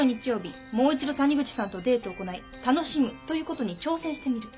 もう一度谷口さんとデートを行い楽しむということに挑戦してみる。